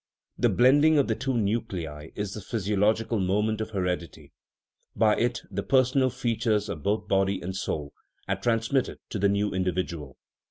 The blending of the two nuclei is the "physiological moment" of heredity ; by it the personal features of both body and soul are transmitted to the new individual.